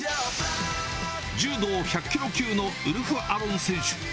柔道１００キロ級のウルフ・アロン選手。